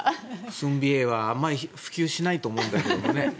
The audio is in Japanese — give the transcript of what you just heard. ツンＢＡはあまり普及しないと思うんだけどね。